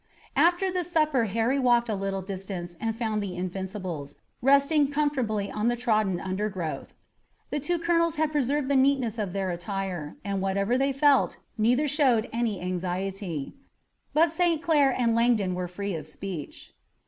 After the supper Harry walked a little distance and found the Invincibles, resting comfortably on the trodden undergrowth. The two colonels had preserved the neatness of their attire, and whatever they felt, neither showed any anxiety. But St. Clair and Langdon were free of speech.